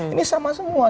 ini sama semua